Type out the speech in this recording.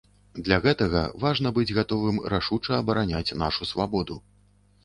Для гэтага важна быць гатовым рашуча абараняць нашу свабоду.